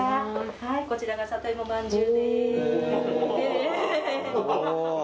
はいこちらが里いもまんじゅう